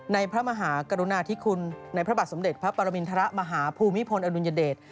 พระมหากรุณาธิคุณในพระบาทสมเด็จพระปรมินทรมาฮภูมิพลอดุลยเดช